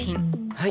はい。